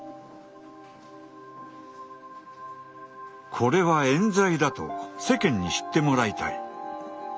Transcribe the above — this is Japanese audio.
これはえん罪だと世間に知ってもらいたい。